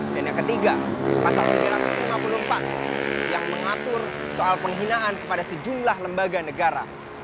dan yang ketiga pasal empat ratus lima puluh empat yang mengatur soal penghinaan kepada sejumlah lembaga negara